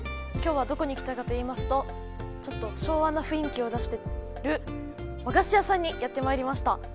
今日はどこに来たかと言いますとちょっと昭和なふんい気を出してる和菓子屋さんにやってまいりました。